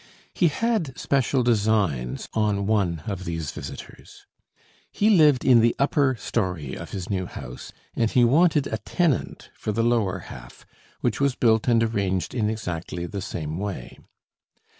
He had special designs on one of these visitors. He lived in the upper storey of his new house, and he wanted a tenant for the lower half, which was built and arranged in exactly the same way.